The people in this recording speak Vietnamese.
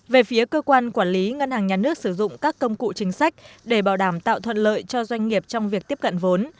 về phía cơ quan quản lý ngân hàng nhà nước sử dụng các công cụ chính sách để bảo đảm tạo thuận lợi cho doanh nghiệp trong việc tiếp cận vốn